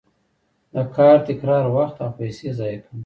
د کار تکرار وخت او پیسې ضایع کوي.